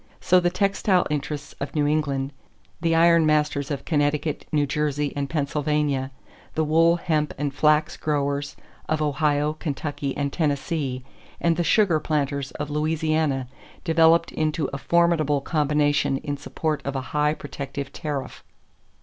So the textile interests of New England, the iron masters of Connecticut, New Jersey, and Pennsylvania, the wool, hemp, and flax growers of Ohio, Kentucky, and Tennessee, and the sugar planters of Louisiana developed into a formidable combination in support of a high protective tariff.